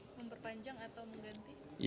memperpanjang atau mengganti